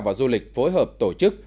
và du lịch phối hợp tổ chức